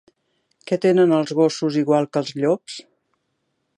Què tenen els gossos igual que els llops?